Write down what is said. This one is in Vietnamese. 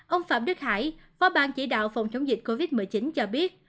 ông phạm đức hải phó bang chỉ đạo phòng chống dịch covid một mươi chín cho biết